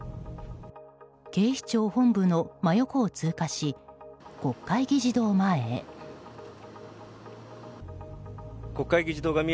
警視庁本部の真横を通過し国会議事堂前へ。